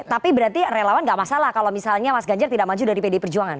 tapi berarti relawan gak masalah kalau misalnya mas ganjar tidak maju dari pdi perjuangan